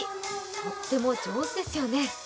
とっても上手ですよね。